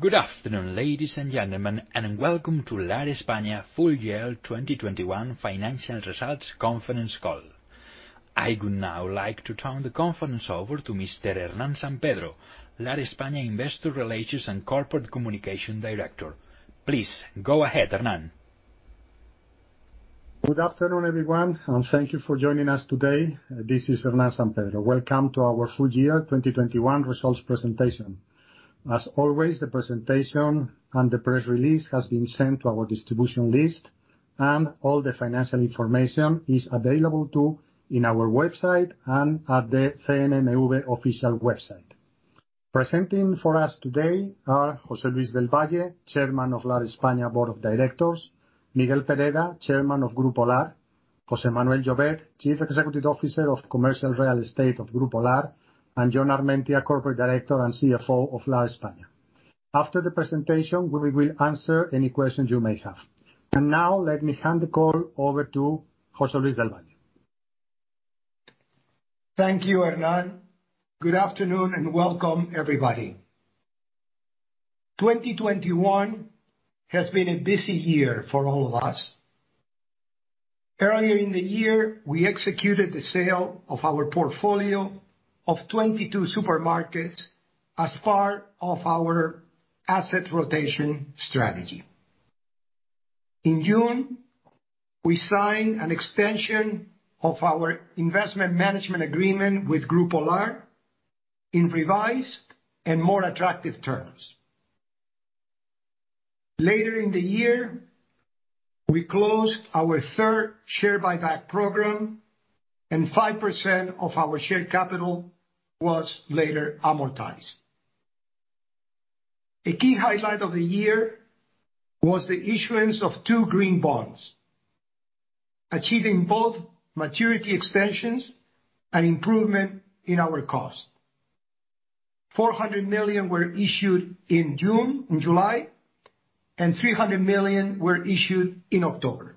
Good afternoon, ladies and gentlemen, and welcome to Lar España full year 2021 financial results conference call. I would now like to turn the conference over to Mr. Hernán San Pedro, Lar España Investor Relations and Corporate Communication Director. Please go ahead, Hernán. Good afternoon, everyone, and thank you for joining us today. This is Hernán San Pedro. Welcome to our full year 2021 results presentation. As always, the presentation and the press release has been sent to our distribution list, and all the financial information is available to you in our website and at the CNMV official website. Presenting for us today are José Luis del Valle, Chairman of Lar España Board of Directors, Miguel Pereda, Chairman of Grupo Lar, José Manuel Llovet, Chief Executive Officer of Commercial Real Estate of Grupo Lar, and Jon Armentia, Corporate Director and CFO of Lar España. After the presentation, we will answer any questions you may have. Now let me hand the call over to José Luis del Valle. Thank you, Hernán. Good afternoon, and welcome everybody. 2021 has been a busy year for all of us. Earlier in the year, we executed the sale of our portfolio of 22 supermarkets as part of our asset rotation strategy. In June, we signed an extension of our investment management agreement with Grupo Lar in revised and more attractive terms. Later in the year, we closed our third share buyback program, and 5% of our share capital was later amortized. A key highlight of the year was the issuance of two green bonds, achieving both maturity extensions and improvement in our cost. 400 million were issued in July, and 300 million were issued in October.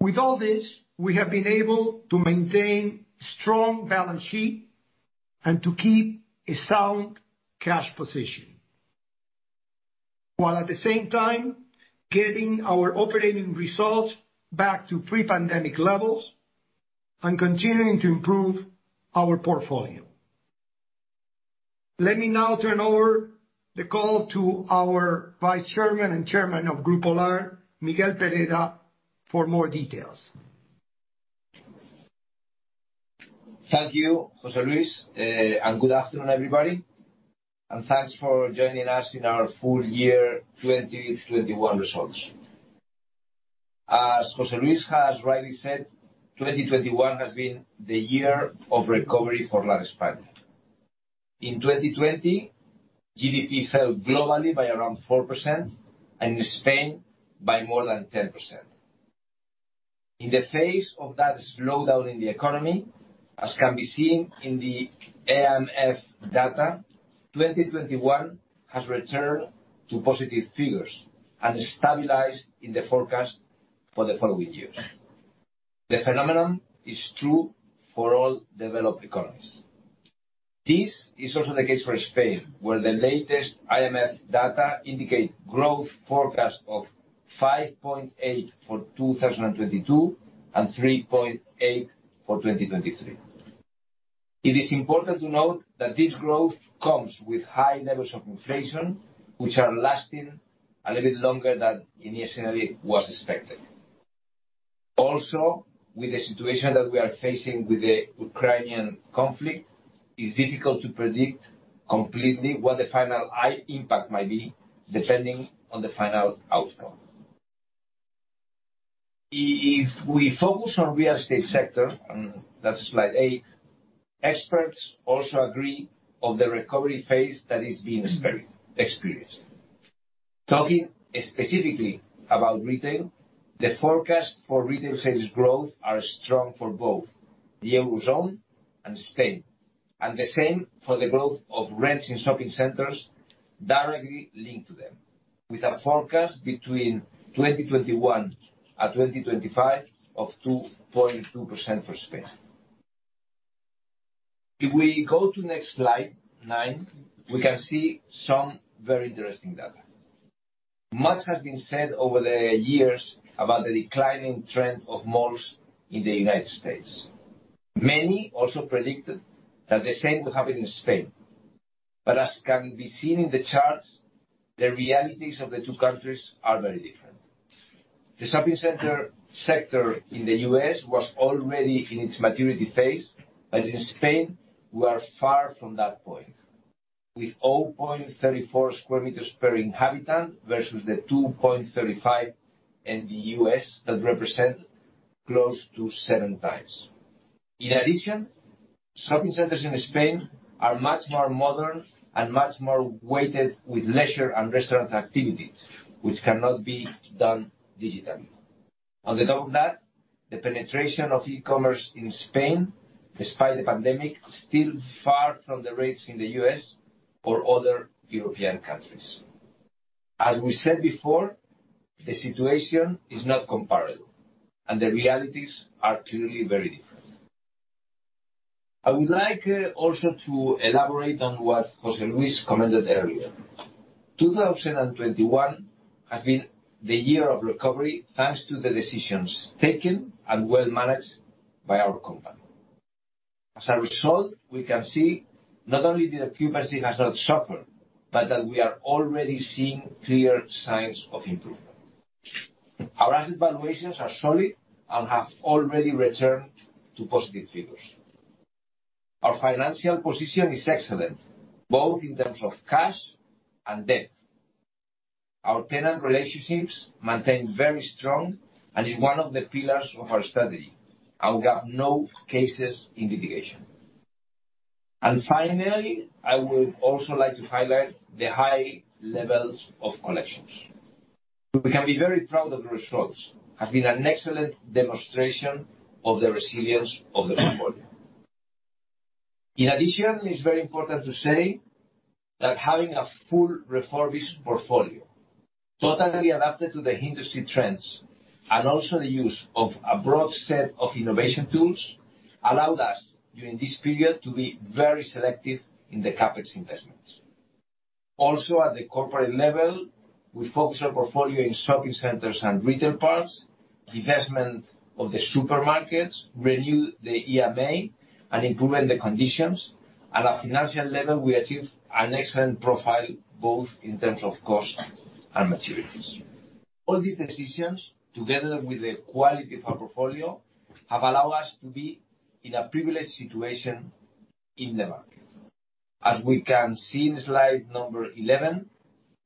With all this, we have been able to maintain strong balance sheet and to keep a sound cash position, while at the same time, getting our operating results back to pre-pandemic levels and continuing to improve our portfolio. Let me now turn over the call to our Vice Chairman and Chairman of Grupo Lar, Miguel Pereda, for more details. Thank you, José Luis. Good afternoon, everybody, and thanks for joining us in our full year 2021 results. As José Luis has rightly said, 2021 has been the year of recovery for Lar España. In 2020, GDP fell globally by around 4% and in Spain by more than 10%. In the face of that slowdown in the economy, as can be seen in the AECC data, 2021 has returned to positive figures and stabilized in the forecast for the following years. The phenomenon is true for all developed economies. This is also the case for Spain, where the latest IMF data indicate growth forecast of 5.8 for 2022, and 3.8 for 2023. It is important to note that this growth comes with high levels of inflation, which are lasting a little bit longer than initially was expected. Also, with the situation that we are facing with the Ukrainian conflict, it's difficult to predict completely what the final impact might be, depending on the final outcome. If we focus on real estate sector, and that's slide 8, experts also agree on the recovery phase that is being experienced. Talking specifically about retail, the forecast for retail sales growth are strong for both the Eurozone and Spain. The same for the growth of rents in shopping centers directly linked to them, with a forecast between 2021 and 2025 of 2.2% for Spain. If we go to next slide, 9, we can see some very interesting data. Much has been said over the years about the declining trend of malls in the United States. Many also predicted that the same would happen in Spain. As can be seen in the charts, the realities of the two countries are very different. The shopping center sector in the U.S. was already in its maturity phase, but in Spain, we are far from that point, with 0.34 sq m per inhabitant versus the 2.35 in the U.S. that represent close to seven times. In addition, shopping centers in Spain are much more modern and much more weighted with leisure and restaurant activities, which cannot be done digitally. On top of that, the penetration of e-commerce in Spain, despite the pandemic, still far from the rates in the U.S. or other European countries. As we said before, the situation is not comparable, and the realities are clearly very different. I would like also to elaborate on what José Luis commented earlier. 2021 has been the year of recovery, thanks to the decisions taken and well managed by our company. As a result, we can see not only the occupancy has not suffered, but that we are already seeing clear signs of improvement. Our asset valuations are solid and have already returned to positive figures. Our financial position is excellent, both in terms of cash and debt. Our tenant relationships maintain very strong and is one of the pillars of our strategy, and we have no cases in litigation. Finally, I would also like to highlight the high levels of collections. We can be very proud of the results, have been an excellent demonstration of the resilience of the portfolio. It's very important to say that having a full refurbished portfolio, totally adapted to the industry trends, and also the use of a broad set of innovation tools, allowed us, during this period, to be very selective in the CapEx investments. At the corporate level, we focused our portfolio in shopping centers and retail parks, divestment of the supermarkets, renew the IMA, and improving the conditions. At a financial level, we achieved an excellent profile, both in terms of cost and maturities. All these decisions, together with the quality of our portfolio, have allowed us to be in a privileged situation in the market. As we can see in slide number 11,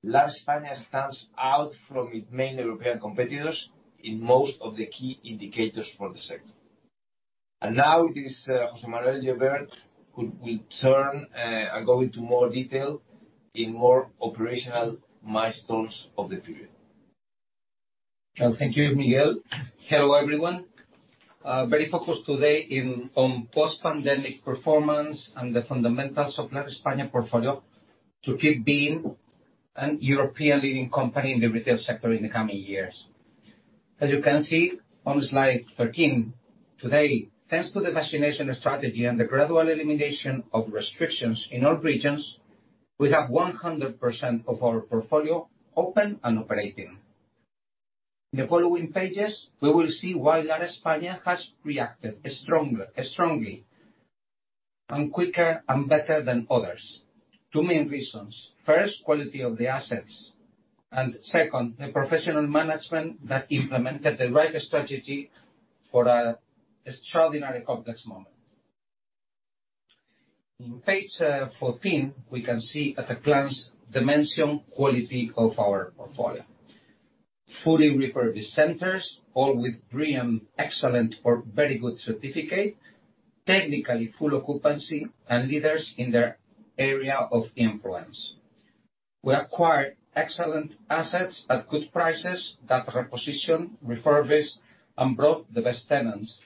Lar España stands out from its main European competitors in most of the key indicators for the sector. Now it is José Manuel Llovet, who will turn and go into more detail in more operational milestones of the period. Thank you, Miguel. Hello, everyone. Very focused today on post-pandemic performance and the fundamentals of Lar España portfolio to keep being a European leading company in the retail sector in the coming years. As you can see on slide 13, today, thanks to the vaccination strategy and the gradual elimination of restrictions in all regions, we have 100% of our portfolio open and operating. In the following pages, we will see why Lar España has reacted strongly and quicker and better than others. Two main reasons. First, quality of the assets, and second, the professional management that implemented the right strategy for an extraordinary complex moment. In page 14, we can see at a glance the main quality of our portfolio. Fully refurbished centers, all with BREEAM Excellent or Very Good certificate, technically full occupancy, and leaders in their area of influence. We acquired excellent assets at good prices that reposition, refurbish, and brought the best tenants.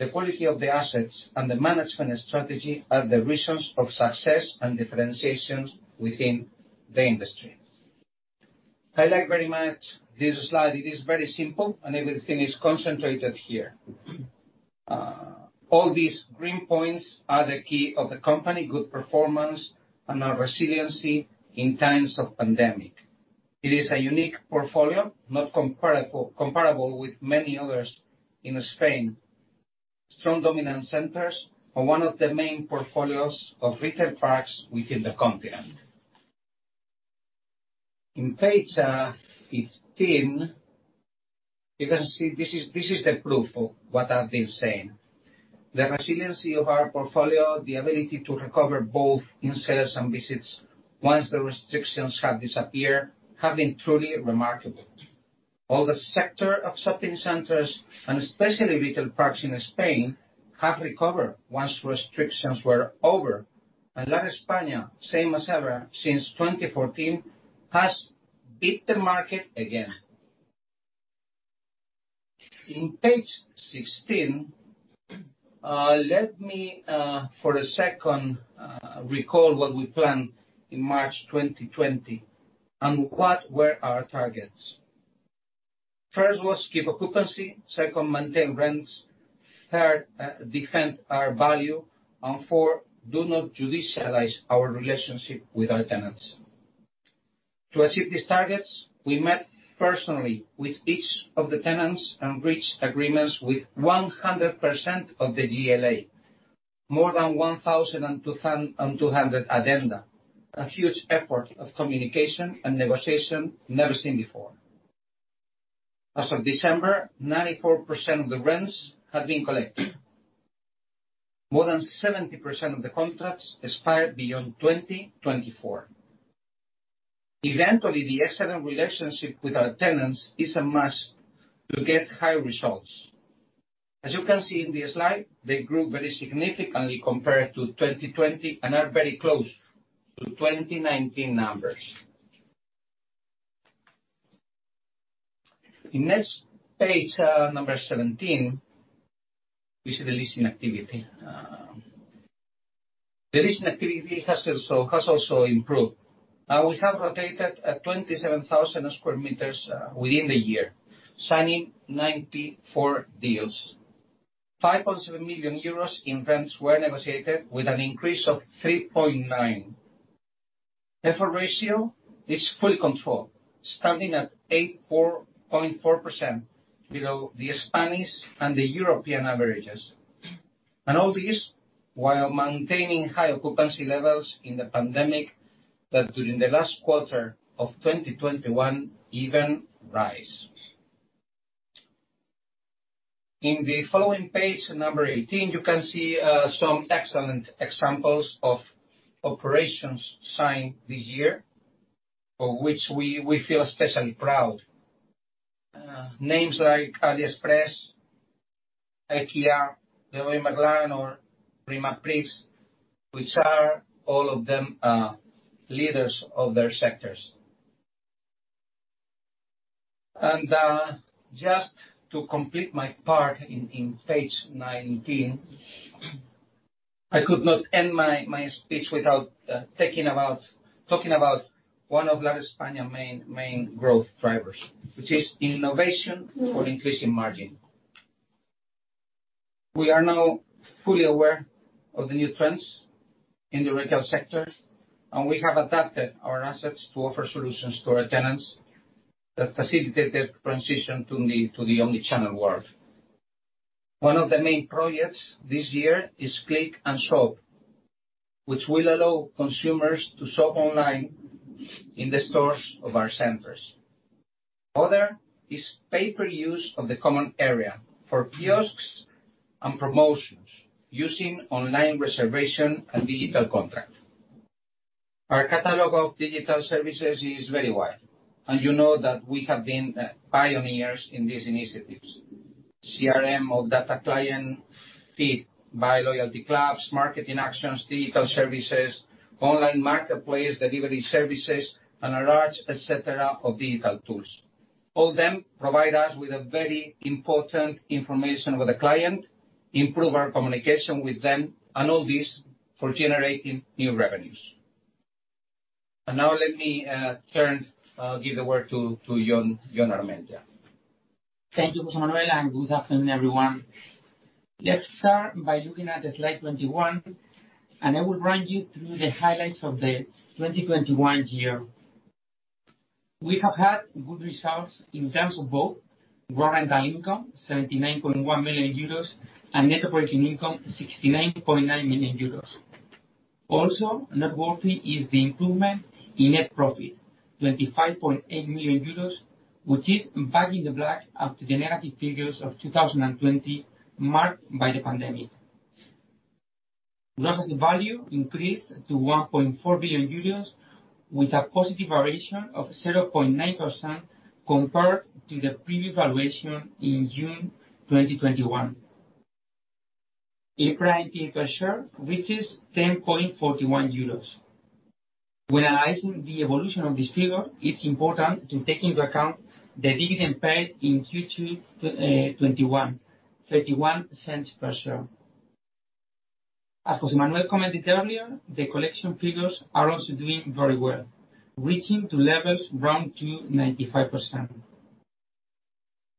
The quality of the assets and the management strategy are the reasons of success and differentiations within the industry. Highlight very much this slide. It is very simple, and everything is concentrated here. All these green points are the key of the company, good performance and our resiliency in times of pandemic. It is a unique portfolio, not comparable with many others in Spain. Strong dominant centers are one of the main portfolios of retail parks within the continent. On page 15, you can see this is the proof of what I've been saying. The resiliency of our portfolio, the ability to recover both in sales and visits once the restrictions have disappeared, have been truly remarkable. All the sector of shopping centers, and especially retail parks in Spain, have recovered once restrictions were over. Lar España, same as ever since 2014, has beat the market again. In page 16, let me, for a second, recall what we planned in March 2020 and what were our targets. First was keep occupancy. Second, maintain rents. Third, defend our value. Four, do not judicialize our relationship with our tenants. To achieve these targets, we met personally with each of the tenants and reached agreements with 100% of the GLA, more than 1,200 addenda, a huge effort of communication and negotiation never seen before. As of December, 94% of the rents had been collected. More than 70% of the contracts expire beyond 2024. Eventually, the excellent relationship with our tenants is a must to get high results. As you can see in the slide, they grew very significantly compared to 2020 and are very close to 2019 numbers. On the next page, number 17, we see the leasing activity. The leasing activity has also improved. Now we have rotated 27,000 sq m within the year, signing 94 deals. 5.7 million euros in rents were negotiated with an increase of 3.9%. Effort ratio is fully controlled, standing at 84.4% below the Spanish and the European averages. All this while maintaining high occupancy levels during the pandemic that even rose during the last quarter of 2021. On the following page, number 18, you can see some excellent examples of operations signed this year for which we feel especially proud. Names like AliExpress, IKEA, Leroy Merlin or Primaprix, which are all of them, leaders of their sectors. Just to complete my part in page 19, I could not end my speech without talking about one of Lar España main growth drivers, which is innovation for increasing margin. We are now fully aware of the new trends in the retail sector, and we have adapted our assets to offer solutions to our tenants that facilitate their transition to the omni-channel world. One of the main projects this year is click and collect, which will allow consumers to shop online in the stores of our centers. Other is pay per use of the common area for kiosks and promotions using online reservation and digital contract. Our catalog of digital services is very wide, and you know that we have been pioneers in these initiatives. CRM or data client feed by loyalty clubs, marketing actions, digital services, online marketplace, delivery services, and a large et cetera of digital tools. All them provide us with a very important information with the client, improve our communication with them, and all this for generating new revenues. Now let me give the word to Jon Armentia. Thank you, José Manuel, and good afternoon, everyone. Let's start by looking at the slide 21, and I will run you through the highlights of the 2021 year. We have had good results in terms of both gross rental income, 79.1 million euros, and net operating income, 69.9 million euros. Also noteworthy is the improvement in net profit, 25.8 million euros, which is back in the black after the negative figures of 2020 marked by the pandemic. Gross value increased to 1.4 billion euros, with a positive variation of 0.9% compared to the previous valuation in June 2021. EPRA per share reaches 10.41 euros. When analyzing the evolution of this figure, it's important to take into account the dividend paid in Q2 2021, 31 cents per share. As José Manuel commented earlier, the collection figures are also doing very well, reaching levels around 95%.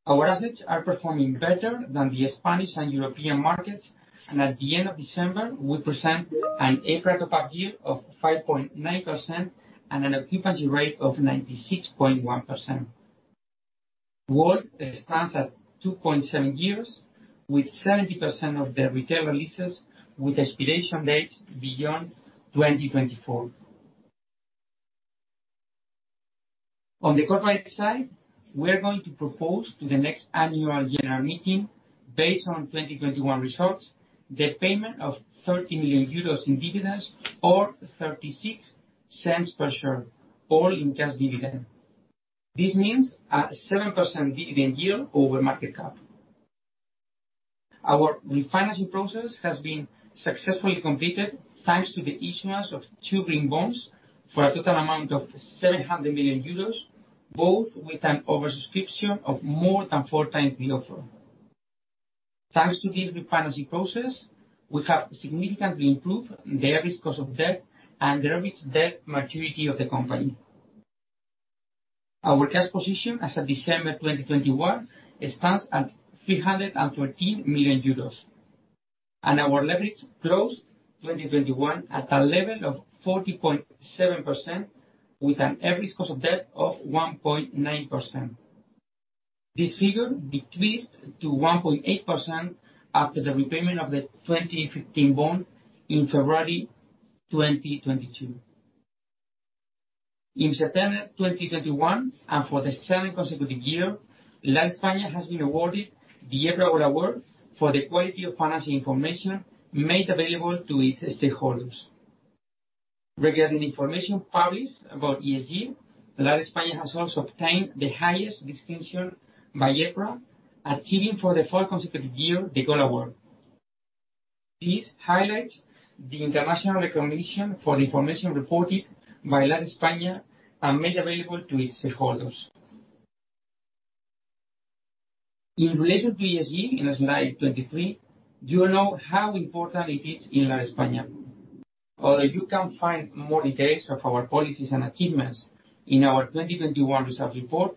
Our assets are performing better than the Spanish and European markets, and at the end of December, we present an EPRA top-up yield of 5.9% and an occupancy rate of 96.1%. WALT stands at 2.7 years with 70% of the retail leases with expiration dates beyond 2024. On the corporate side, we're going to propose to the next annual general meeting, based on 2021 results, the payment of 30 million euros in dividends or 0.36 per share, all in cash dividend. This means a 7% dividend yield over market cap. Our refinancing process has been successfully completed thanks to the issuance of two green bonds for a total amount of 700 million euros, both with an oversubscription of more than 4 times the offer. Thanks to this refinancing process, we have significantly improved the average cost of debt and the average debt maturity of the company. Our cash position as of December 2021 stands at 313 million euros, and our leverage closed 2021 at a level of 40.7%, with an average cost of debt of 1.9%. This figure decreased to 1.8% after the repayment of the 2015 bond in February 2022. In September 2021, and for the seventh consecutive year, Lar España has been awarded the EPRA Award for the quality of financial information made available to its stakeholders. Regarding information published about ESG, Lar España has also obtained the highest distinction by EPRA, achieving for the fourth consecutive year the Gold Award. This highlights the international recognition for the information reported by Lar España and made available to its stakeholders. In relation to ESG, in slide 23, you know how important it is in Lar España. Although you can find more details of our policies and achievements in our 2021 results report,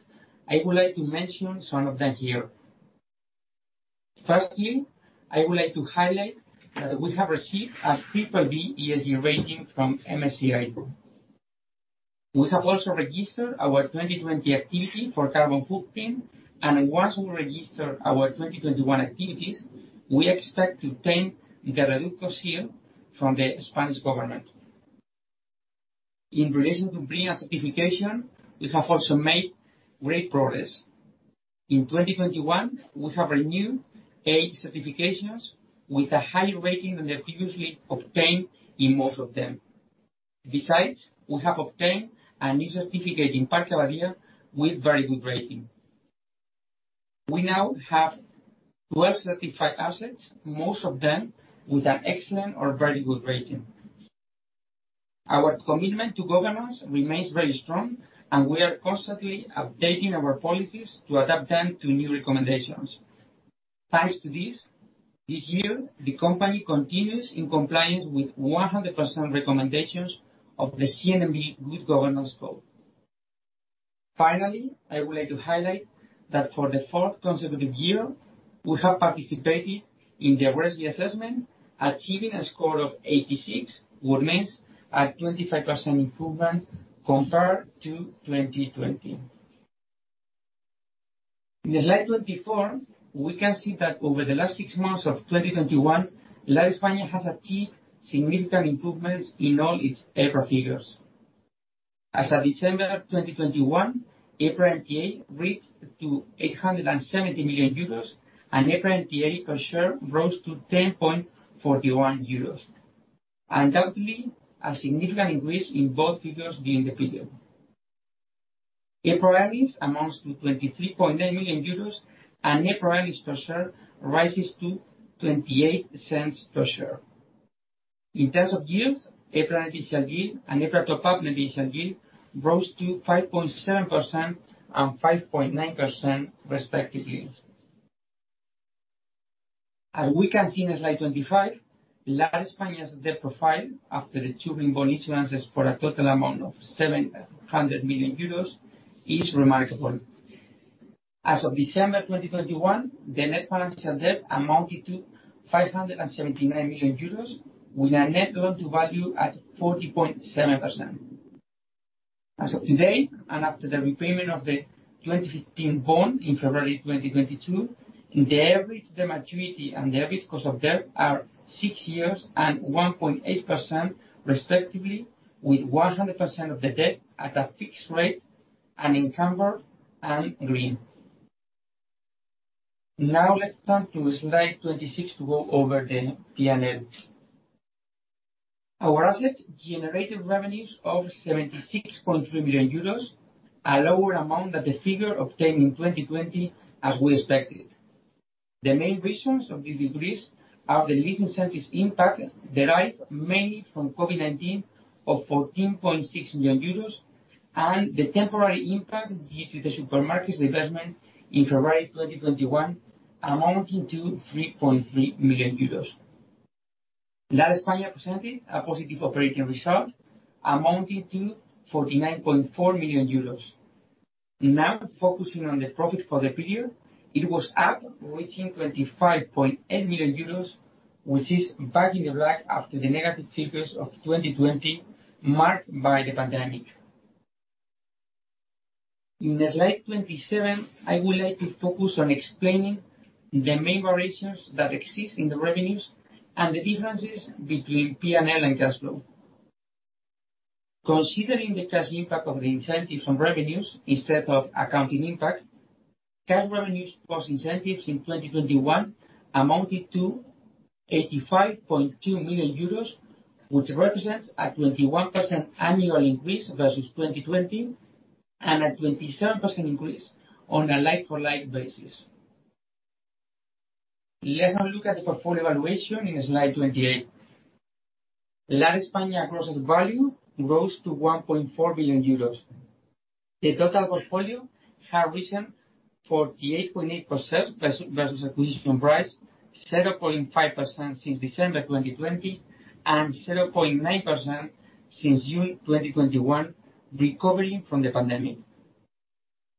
I would like to mention some of them here. Firstly, I would like to highlight that we have received a triple B ESG rating from MSCI. We have also registered our 2020 activity for carbon footprint, and once we register our 2021 activities, we expect to obtain the Reduzco seal from the Spanish government. In relation to BREEAM certification, we have also made great progress. In 2021, we have renewed eight certifications with a higher rating than they previously obtained in most of them. Besides, we have obtained a new certificate in Parque Abadía with very good rating. We now have 12 certified assets, most of them with an excellent or very good rating. Our commitment to governance remains very strong, and we are constantly updating our policies to adapt them to new recommendations. Thanks to this year the company continues in compliance with 100% recommendations of the CNMV Good Governance Code. Finally, I would like to highlight that for the fourth consecutive year, we have participated in the GRESB assessment, achieving a score of 86, which means a 25% improvement compared to 2020. In slide 24, we can see that over the last six months of 2021, Lar España has achieved significant improvements in all its EPRA figures. As of December 2021, EPRA NTA reached to 870 million euros, and EPRA NTA per share rose to 10.41 euros. Undoubtedly, a significant increase in both figures during the period. EPRA earnings amounts to 23.9 million euros, and EPRA earnings per share rises to 28 cents per share. In terms of yields, EPRA initial yield and EPRA top-up initial yield rose to 5.7% and 5.9% respectively. As we can see in slide 25, Lar España's debt profile after the two green bond issuances for a total amount of 700 million euros is remarkable. As of December 2021, the net financial debt amounted to 579 million euros, with our net loan to value at 40.7%. As of today, after the repayment of the 2015 bond in February 2022, the maturity, and the average cost of debt are six years and 1.8% respectively, with 100% of the debt at a fixed rate and encumbered and green. Now let's turn to slide 26 to go over the P&L. Our assets generated revenues of 76.3 million euros, a lower amount than the figure obtained in 2020, as we expected. The main reasons of the decrease are the leasing centers impact derived mainly from COVID-19 of 14.6 million euros, and the temporary impact due to the supermarket's divestment in February 2021 amounting to 3.3 million euros. Lar España presented a positive operating result amounting to 49.4 million euros. Now focusing on the profit for the period, it was up, reaching 25.8 million euros, which is back in the black after the negative figures of 2020, marked by the pandemic. In slide 27, I would like to focus on explaining the main variations that exist in the revenues and the differences between P&L and cash flow. Considering the cash impact of the incentives on revenues instead of accounting impact, cash revenues plus incentives in 2021 amounted to 85.2 million euros, which represents a 21% annual increase versus 2020 and a 27% increase on a like-for-like basis. Let's now look at the portfolio valuation in slide 28. Lar España gross asset value rose to 1.4 billion euros. The total portfolio have risen 48.8% versus acquisition price, 0.5% since December 2020, and 0.9% since June 2021, recovering from the pandemic.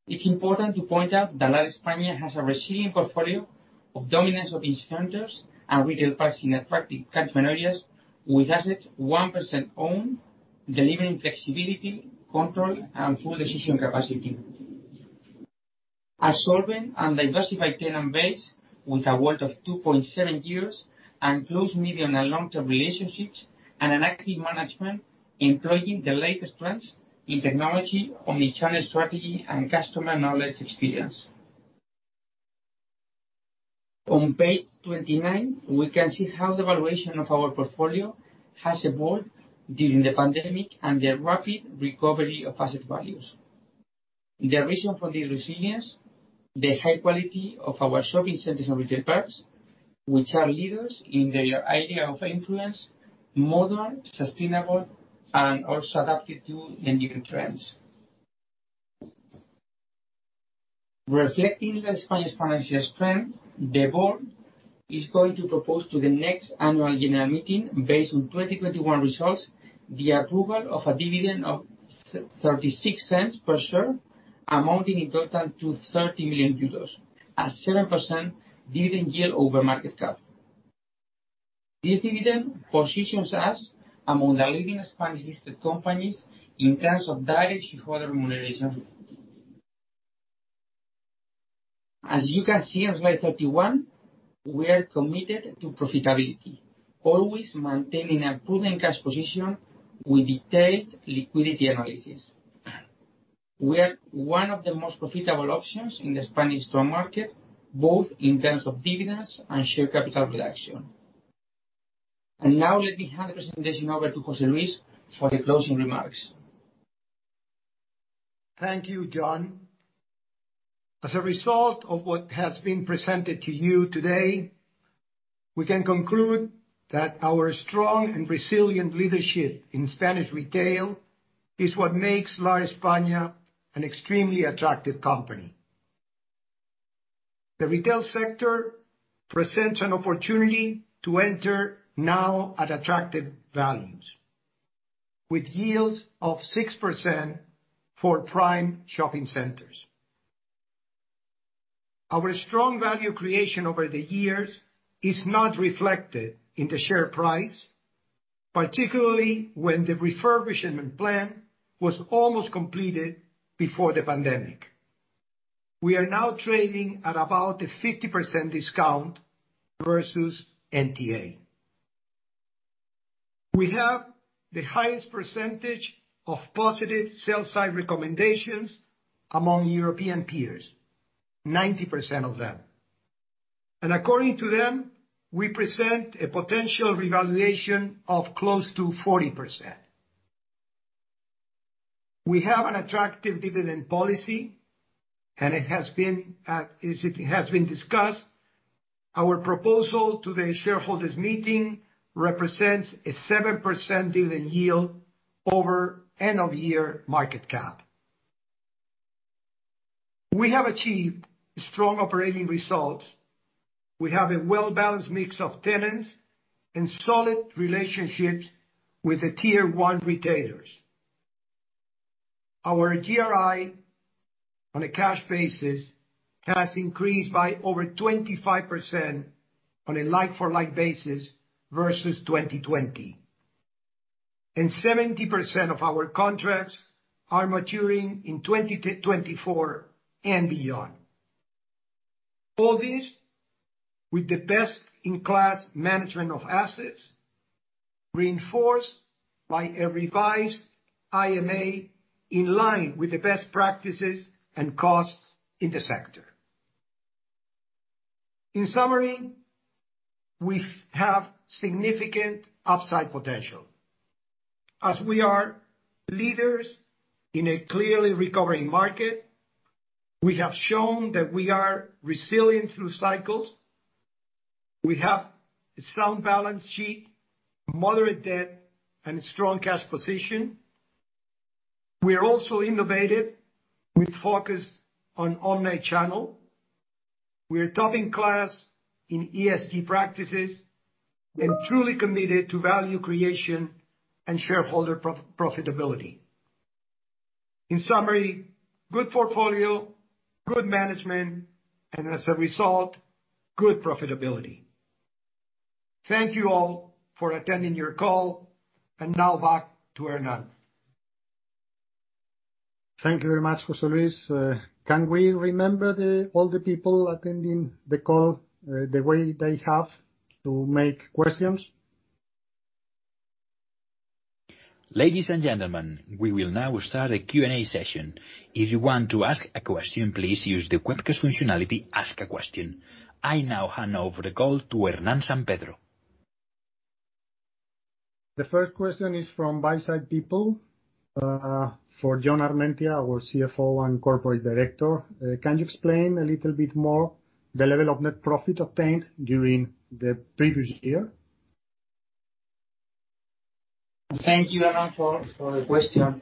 It's important to point out that Lar España has a resilient portfolio of dominance of its centers and retail parks in attractive catchment areas with assets 100% owned, delivering flexibility, control, and full decision capacity. A solvent and diversified tenant base with a weight of 2.7 years and close medium- and long-term relationships and an active management employing the latest trends in technology, omnichannel strategy, and customer knowledge experience. On page 29, we can see how the valuation of our portfolio has evolved during the pandemic and the rapid recovery of asset values. The reason for this resilience, the high quality of our shopping centers and retail parks, which are leaders in their area of influence, modern, sustainable, and also adapted to the new trends. Reflecting the Spanish financial strength, the board is going to propose to the next annual general meeting based on 2021 results, the approval of a dividend of 0.36 per share, amounting in total to 30 million euros, a 7% dividend yield over market cap. This dividend positions us among the leading Spanish listed companies in terms of direct shareholder remuneration. As you can see on slide 31, we are committed to profitability, always maintaining a prudent cash position with detailed liquidity analysis. We are one of the most profitable options in the Spanish strong market, both in terms of dividends and share capital reduction. Now let me hand the presentation over to José Luis for the closing remarks. Thank you, Jon. As a result of what has been presented to you today, we can conclude that our strong and resilient leadership in Spanish retail is what makes Lar España an extremely attractive company. The retail sector presents an opportunity to enter now at attractive values with yields of 6% for prime shopping centers. Our strong value creation over the years is not reflected in the share price, particularly when the refurbishment plan was almost completed before the pandemic. We are now trading at about a 50% discount versus NTA. We have the highest percentage of positive sell side recommendations among European peers, 90% of them. According to them, we present a potential revaluation of close to 40%. We have an attractive dividend policy, and it has been, as it has been discussed, our proposal to the shareholders meeting represents a 7% dividend yield over end-of-year market cap. We have achieved strong operating results. We have a well-balanced mix of tenants and solid relationships with the tier one retailers. Our GRI on a cash basis has increased by over 25% on a like-for-like basis versus 2020. 70% of our contracts are maturing in 2024 and beyond. All this with the best-in-class management of assets, reinforced by a revised IMA in line with the best practices and costs in the sector. In summary, we have significant upside potential. As we are leaders in a clearly recovering market, we have shown that we are resilient through cycles. We have a sound balance sheet, moderate debt, and a strong cash position. We are also innovative with focus on online channel. We are top in class in ESG practices and truly committed to value creation and shareholder profitability. In summary, good portfolio, good management, and as a result, good profitability. Thank you all for attending your call. Now back to Hernán. Thank you very much, José Luis. Can we remind all the people attending the call, the way they have to make questions? Ladies and gentlemen, we will now start a Q&A session. If you want to ask a question, please use the webcast functionality "Ask a question." I now hand over the call to Hernán San Pedro. The first question is from Buy-Side People, for Jon Armentia, our CFO and Corporate Director. Can you explain a little bit more the level of net profit obtained during the previous year? Thank you, Hernán, for the question.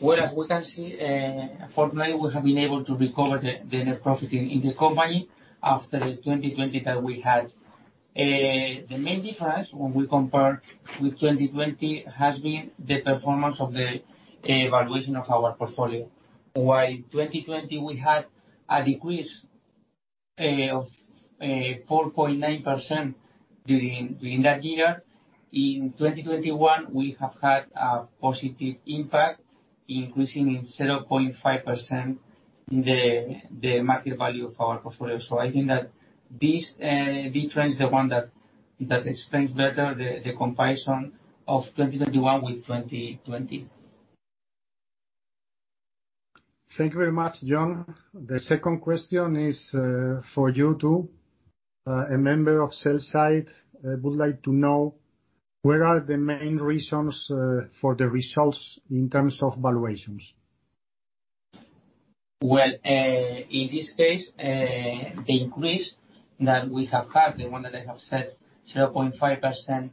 Well, as we can see, fortunately, we have been able to recover the net profit in the company after the 2020 that we had. The main difference when we compare with 2020 has been the performance of the valuation of our portfolio. While in 2020 we had a decrease of 4.9% during that year, in 2021, we have had a positive impact, increasing in 7.5% the market value of our portfolio. I think that this difference is the one that explains better the comparison of 2021 with 2020. Thank you very much, Jon. The second question is for you too. A member of sell-side would like to know where are the main reasons for the results in terms of valuations. Well, in this case, the increase that we have had, the one that I have said, 0.5%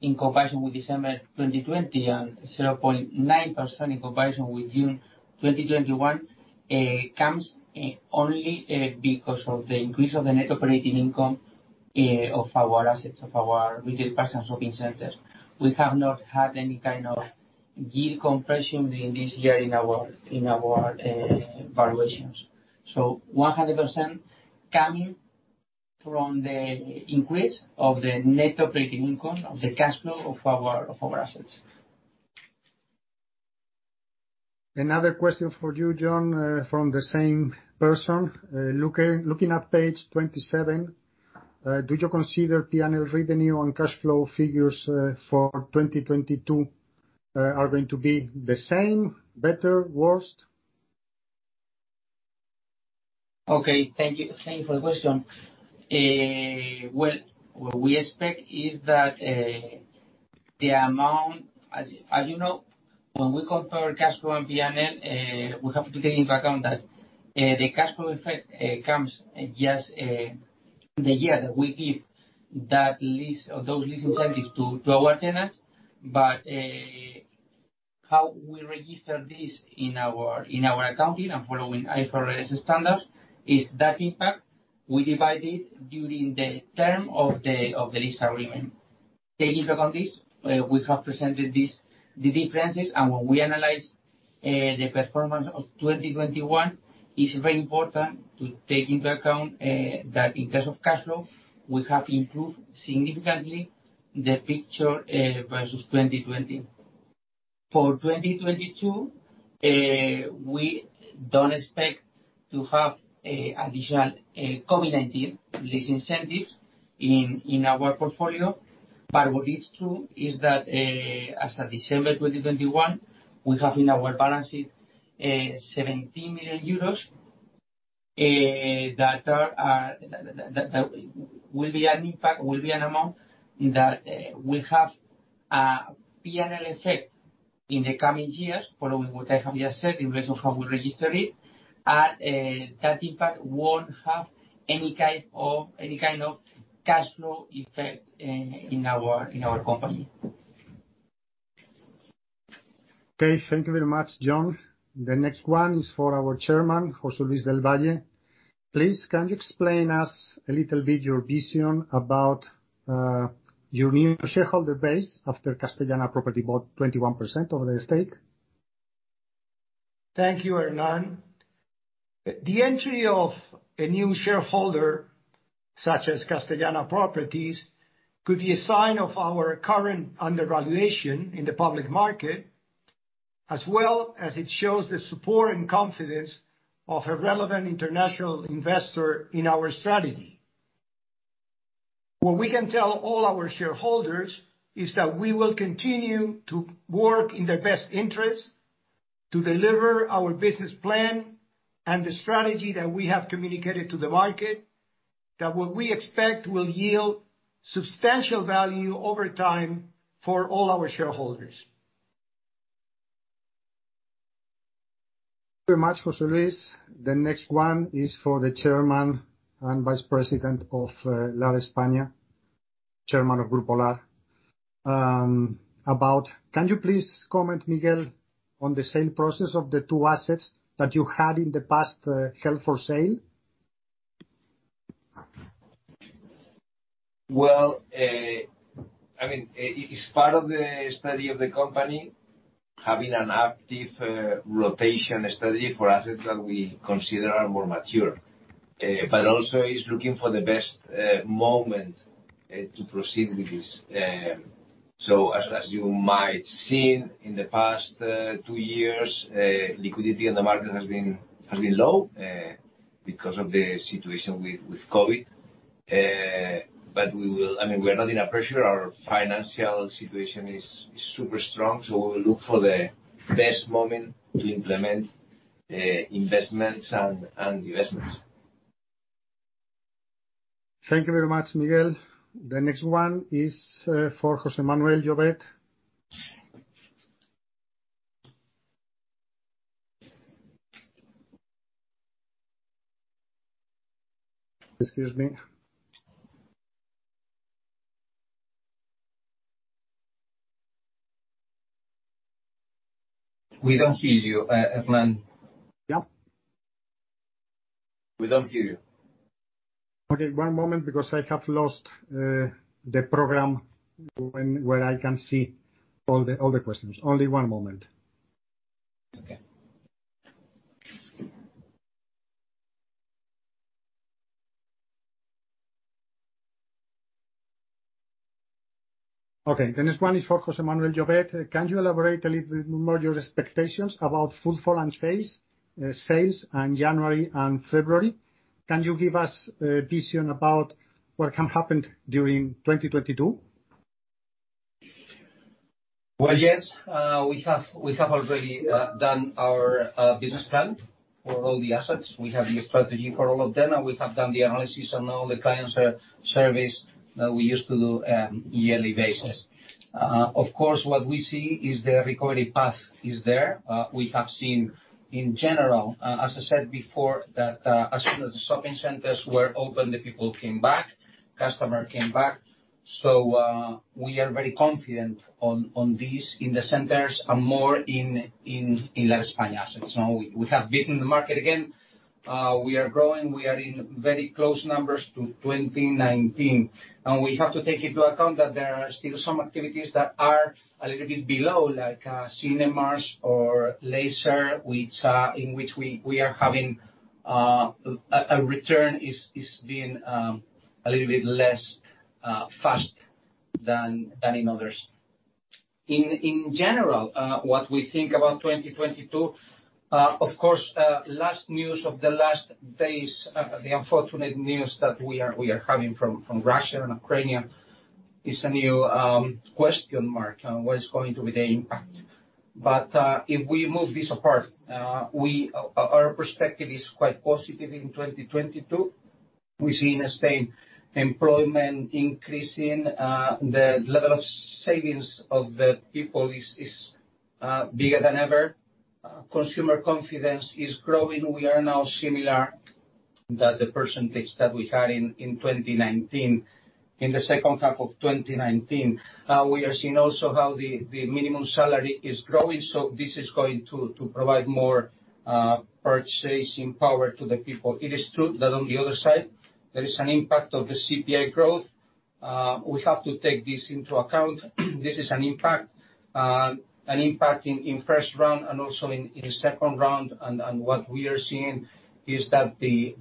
in comparison with December 2020 and 0.9% in comparison with June 2021, comes only because of the increase of the net operating income of our assets, of our retail parks and shopping centers. We have not had any kind of yield compression in this year in our valuations. 100% coming from the increase of the net operating income of the cash flow of our assets. Another question for you, Jon, from the same person. Looking at page 27, do you consider P&L revenue and cash flow figures for 2022 are going to be the same, better, worse? Okay. Thank you. Thank you for the question. Well, what we expect is that the amount, as you know, when we compare cash flow and PNL, we have to take into account that the cash flow effect comes just the year that we give that lease or those lease incentives to our tenants. But how we register this in our accounting and following IFRS standards is that impact, we divide it during the term of the lease agreement. Taking into account this, we have presented the differences. When we analyze the performance of 2021, it's very important to take into account that in terms of cash flow, we have improved significantly the picture versus 2020. For 2022, we don't expect to have an additional COVID-19 lease incentives in our portfolio. What is true is that, as of December 2021, we have in our balance sheet 70 million euros that will be an impact, will be an amount that will have a P&L effect in the coming years, following what I have just said, on the basis of how we register it. That impact won't have any kind of cash flow effect in our company. Okay, thank you very much, Jon. The next one is for our Chairman, José Luis del Valle. Please, can you explain us a little bit your vision about your new shareholder base after Castellana Properties bought 21% of the stake? Thank you, Hernán. The entry of a new shareholder, such as Castellana Properties, could be a sign of our current under-valuation in the public market, as well as it shows the support and confidence of a relevant international investor in our strategy. What we can tell all our shareholders is that we will continue to work in their best interest to deliver our business plan and the strategy that we have communicated to the market, that what we expect will yield substantial value over time for all our shareholders. Very much, José Luis. The next one is for the Chairman and Vice President of Lar España, Chairman of Grupo Lar. Can you please comment, Miguel, on the sale process of the two assets that you had in the past held for sale? I mean, it's part of the study of the company having an active rotation study for assets that we consider are more mature. Also is looking for the best moment to proceed with this. As you might seen in the past two years, liquidity in the market has been low because of the situation with COVID. We are not in a pressure. Our financial situation is super strong. We look for the best moment to implement investments and divestments. Thank you very much, Miguel. The next one is for José Manuel Llovet. Excuse me. We don't hear you, Hernán. Yeah. We don't hear you. Okay, one moment because I have lost the program where I can see all the questions. Only one moment. Okay. Okay. The next one is for José Manuel Llovet. Can you elaborate a little bit more on your expectations about full-year sales in January and February? Can you give us a vision about what can happen during 2022? Well, yes. We have already done our business plan for all the assets. We have the strategy for all of them, and we have done the analysis on all the clients, service that we used to do at yearly basis. Of course, what we see is the recovery path is there. We have seen in general, as I said before, that, as soon as the shopping centers were open, the people came back, customer came back. We are very confident on this in the centers and more in Lar España assets. Now we have beaten the market again. We are growing. We are in very close numbers to 2019. We have to take into account that there are still some activities that are a little bit below, like cinemas or leisure, which in which we are having a return is being a little bit less fast than in others. In general, what we think about 2022, of course, last news of the last days, the unfortunate news that we are having from Russia and Ukraine is a new question mark on what is going to be the impact. If we move this apart, our perspective is quite positive in 2022. We see in Spain employment increasing, the level of savings of the people is bigger than ever. Consumer confidence is growing. We are now similar to the percentage that we had in 2019, in the second half of 2019. We are seeing also how the minimum salary is growing, so this is going to provide more purchasing power to the people. It is true that on the other side, there is an impact of the CPI growth. We have to take this into account. This is an impact in first round and also in the second round. What we are seeing is that the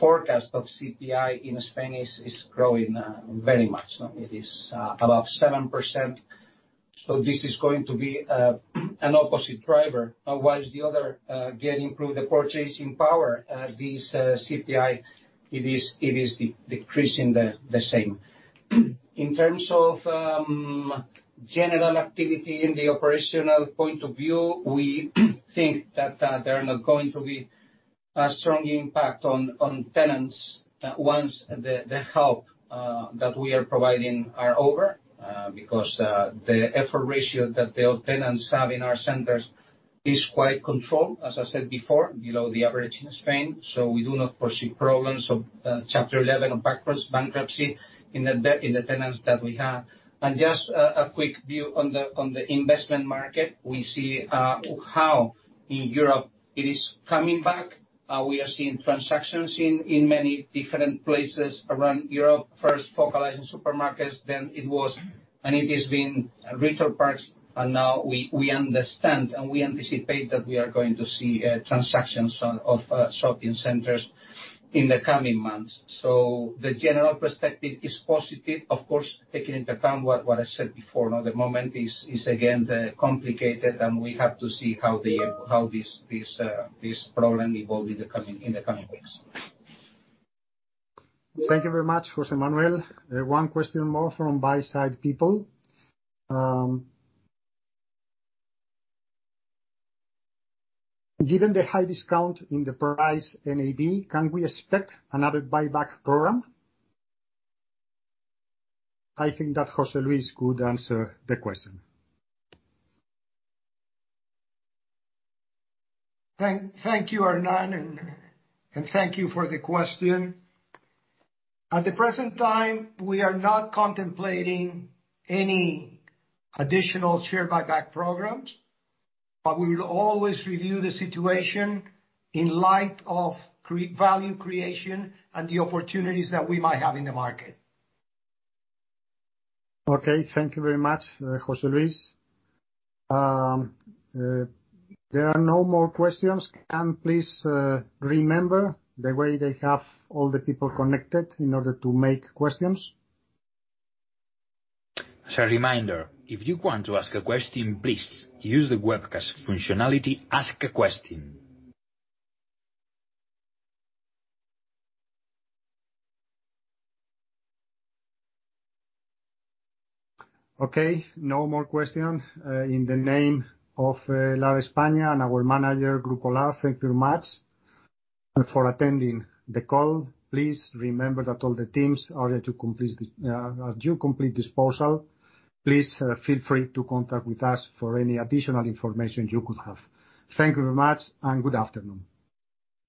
forecast of CPI in Spain is growing very much. It is about 7%. This is going to be an opposite driver, whilst the other get improved the purchasing power, this CPI, it is decreasing the same. In terms of general activity in the operational point of view, we think that there are not going to be a strong impact on tenants once the help that we are providing are over, because the effort ratio that the tenants have in our centers is quite controlled, as I said before, below the average in Spain. We do not foresee problems of Chapter 11 or bankruptcy in the tenants that we have. Just a quick view on the investment market. We see how in Europe it is coming back. We are seeing transactions in many different places around Europe. First focused in supermarkets, then it was, and it has been retail parks. Now we understand and we anticipate that we are going to see transactions of shopping centers in the coming months. The general perspective is positive. Of course, taking into account what I said before. Now, the moment is, again, complicated, and we have to see how this problem evolve in the coming weeks. Thank you very much, José Manuel. One question more from buy-side people. Given the high discount in the price NAV, can we expect another buyback program? I think that José Luis could answer the question. Thank you, Hernán, and thank you for the question. At the present time, we are not contemplating any additional share buyback programs, but we will always review the situation in light of value creation and the opportunities that we might have in the market. Okay. Thank you very much, José Luis. There are no more questions. Can you please remember the way they have all the people connected in order to make questions? As a reminder, if you want to ask a question, please use the webcast functionality, Ask a Question. Okay, no more questions. In the name of Lar España and our manager, Grupo Lar, thank you very much for attending the call. Please remember that all the teams are at your complete disposal. Please, feel free to contact with us for any additional information you could have. Thank you very much and good afternoon.